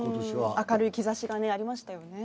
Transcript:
明るい兆しがありましたよね。